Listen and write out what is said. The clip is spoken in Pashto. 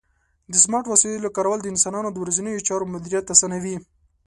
د سمارټ وسایلو کارول د انسانانو د ورځنیو چارو مدیریت اسانوي.